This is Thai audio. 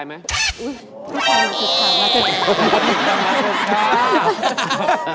ใช่ค่ะ